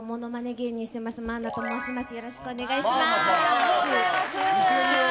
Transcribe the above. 芸人してますまーなと申します。